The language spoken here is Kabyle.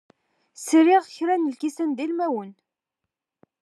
Sriɣ kra n lkisan d ilmawen.